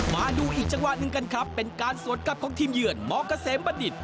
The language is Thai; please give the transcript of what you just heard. มาดูอีกจังหวะหนึ่งกันครับเป็นการสวนกลับของทีมเยือนมเกษมบัณฑิต